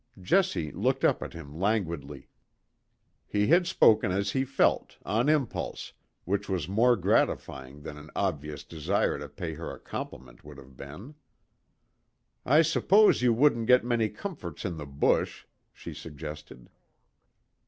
Jessie looked up at him languidly. He had spoken as he felt, on impulse, which was more gratifying than an obvious desire to pay her a compliment would have been. "I suppose you wouldn't get many comforts in the bush," she suggested.